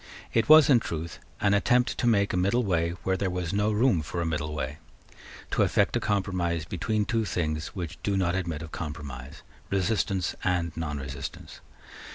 It was, in truth, an attempt to make a middle way where there was no room for a middle way, to effect a compromise between two things which do not admit of compromise, resistance and nonresistance.